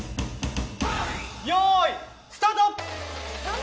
よーい、スタート！